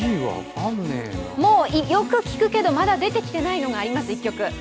もう、よく聞くけど出てきてないのがあります。